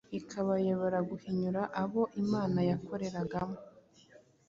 ikabayobora guhinyura abo Imana yakoreragamo.